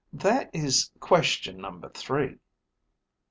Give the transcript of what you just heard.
"That is question number three."